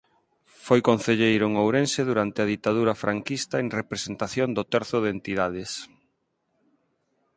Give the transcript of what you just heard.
Foi concelleiro en Ourense durante a ditadura franquista en representación do terzo de entidades.